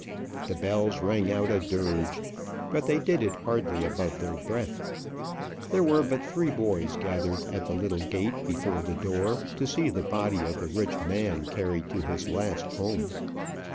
The bells rang out a dirge, but they did it hardly above their breath. There were but three boys gathered at the little gate before the door to see the body of the rich man carried to his last home.